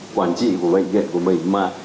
quản trị của bệnh viện của mình